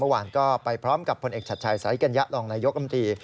เมื่อวานก็ไปพร้อมกับผลเอกชัดชัยสายกัญญะรองนายกรรมตรี